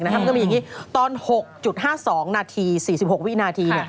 มันก็มีอย่างนี้ตอน๖๕๒นาที๔๖วินาที